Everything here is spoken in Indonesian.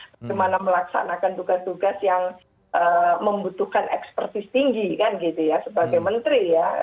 bagaimana melaksanakan tugas tugas yang membutuhkan ekspertis tinggi kan gitu ya sebagai menteri ya